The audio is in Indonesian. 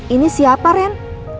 ini siapa ren